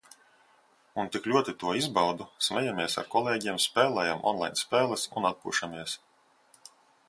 Un tik ļoti to izbaudu. Smejamies ar kolēģiem, spēlējam online spēles un atpūšamies.